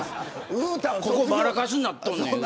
ここマラカスになっとんねん。